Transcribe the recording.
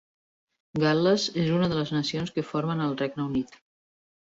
Gal·les és una de les nacions que formen el Regne Unit.